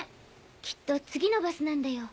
きっと次のバスなんだよ。